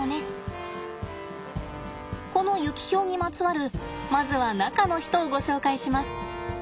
このユキヒョウにまつわるまずは中の人をご紹介します。